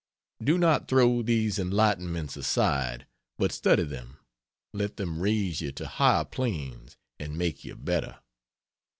Do not throw these enlightenments aside, but study them, let them raise you to higher planes and make you better.